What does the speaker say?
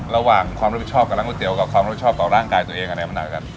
ความรับผิดชอบกับร้านก๋วเตี๋กับความรับผิดชอบต่อร่างกายตัวเองอันไหนมันหนักกว่ากัน